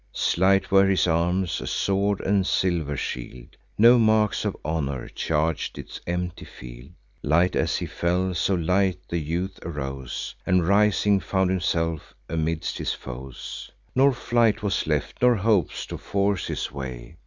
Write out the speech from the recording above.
Slight were his arms, a sword and silver shield: No marks of honour charg'd its empty field. Light as he fell, so light the youth arose, And rising, found himself amidst his foes; Nor flight was left, nor hopes to force his way.